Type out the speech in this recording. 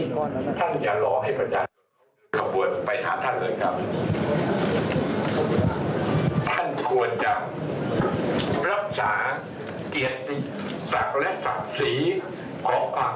ดูท่ายโทษนะความกลัวความกลัวต่อนั่นมันคือความเสื่อม